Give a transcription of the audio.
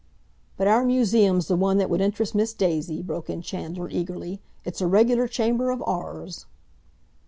"But our museum's the one that would interest Miss Daisy," broke in Chandler eagerly. "It's a regular Chamber of 'Orrors!"